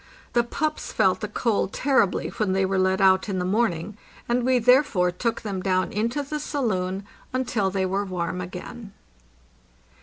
The pups felt the cold terribly when they were let out in the morning, and we therefore took them down into the saloon until they were warm again.